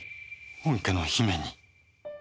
本家の姫に。